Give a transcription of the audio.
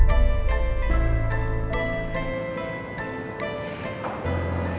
dan mulai mendudukku